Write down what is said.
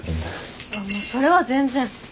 もうそれは全然。